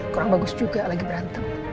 kurang bagus juga lagi berantem